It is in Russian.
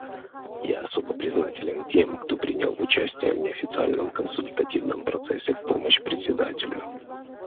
Я особо признателен тем, кто принял участие в неофициальном консультативном процессе в помощь Председателю.